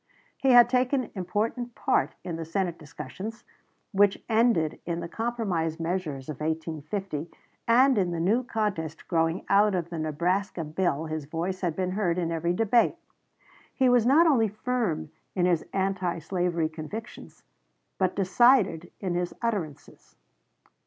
He had taken important part in the Senate discussions which ended in the compromise measures of 1850, and in the new contest growing out of the Nebraska bill his voice had been heard in every debate. He was not only firm in his anti slavery convictions, but decided in his utterances.